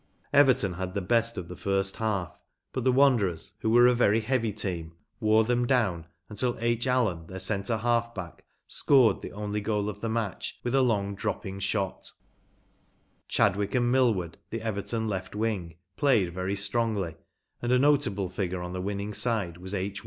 Everton had the best of the first half, but the Wanderers, who were a very heavy team, wore them down until IT Allen, their centre half back, scored the only goal of the match with a long drop¬ ping shot Chadwick and Mil ward, the Everton left wing, played very strongly, and a notable figure on the winning side was H.